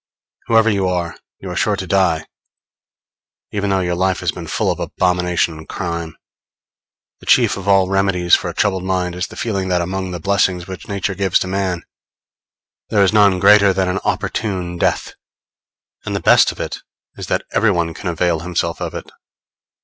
Whoever you are, you are sure to die, even though your life has been full of abomination and crime. The chief of all remedies for a troubled mind is the feeling that among the blessings which Nature gives to man, there is none greater than an opportune death; and the best of it is that every one can avail himself of it.